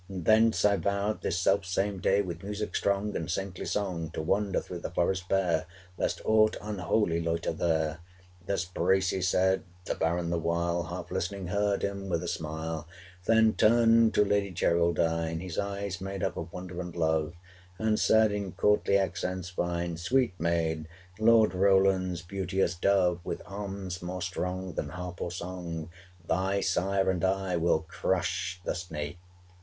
And thence I vowed this self same day 560 With music strong and saintly song To wander through the forest bare, Lest aught unholy loiter there.' Thus Bracy said: the Baron, the while, Half listening heard him with a smile; 565 Then turned to Lady Geraldine, His eyes made up of wonder and love; And said in courtly accents fine, 'Sweet maid, Lord Roland's beauteous dove, With arms more strong than harp or song, 570 Thy sire and I will crush the snake!'